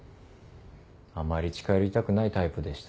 あまり近寄りたくないタイプでした。